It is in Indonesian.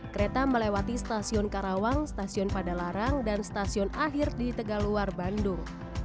kereta melewati stasiun karawang stasiun padalarang dan stasiun akhir di tegaluar bandung